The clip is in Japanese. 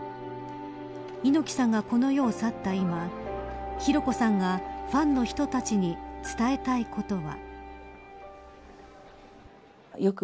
猪木さんがこの世を去った今寛子さんが、ファンの人たちに伝えたいことは。